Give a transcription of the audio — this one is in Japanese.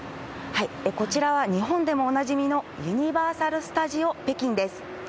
こちらは日本でもおなじみのユニバーサル・スタジオ北京です。